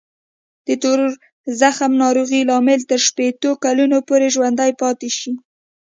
د تور زخم ناروغۍ لامل تر شپېتو کلونو پورې ژوندی پاتې شي.